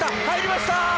入りました。